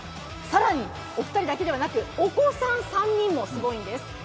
更にお二人だけではなくお子さん３人もすごいんです。